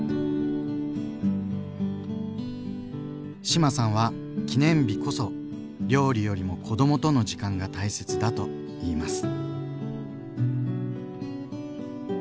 志麻さんは記念日こそ料理よりも子どもとの時間が大切だと言います。